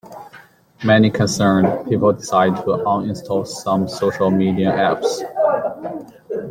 Many concerned people decided to uninstall some social media apps.